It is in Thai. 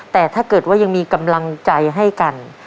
แต่ถ้าเกิดว่ายังมีกำลังใจให้กัน